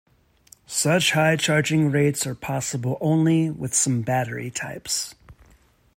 Such high charging rates are possible only with some battery types.